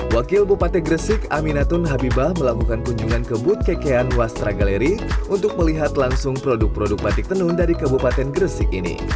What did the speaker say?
wakil bupate gresik aminatun habibah melakukan kunjungan ke bud kekian wasra gallery untuk melihat langsung produk produk batik tenun dari kabupaten gresik ini